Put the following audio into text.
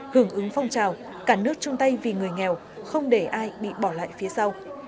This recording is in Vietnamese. hưởng ứng phong trào cả nước chung tay vì người nghèo không để ai bị bỏ lại phía sau